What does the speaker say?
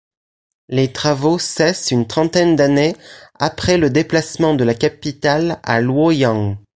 Les travaux cessent une trentaine d'années après le déplacement de la capitale à Luoyang.